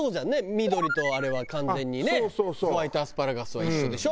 緑とあれは完全にねホワイトアスパラガスは一緒でしょ？